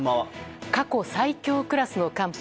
過去最強クラスの寒波。